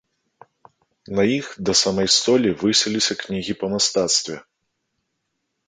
На іх да самай столі высіліся кнігі па мастацтве.